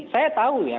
saya tahu ya